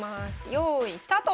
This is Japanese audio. よいスタート！